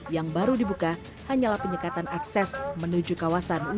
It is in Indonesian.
yang baru dibuka hanyalah penyekatan akses menuju kawasan wisata